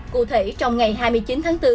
cụ thể trong ngày hai mươi chín tháng bốn